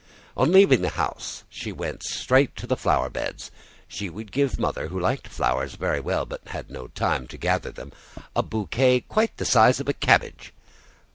On leaving the house she went straight to the flower beds: she would give Mother, who liked flowers very well but had no time to gather them, a bouquet the size of a cabbage.